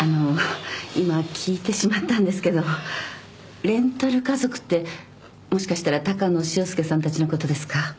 今聞いてしまったんですけどレンタル家族ってもしかしたら高野修介さんたちのことですか？